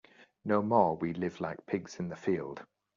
No more we live like pigs in the field.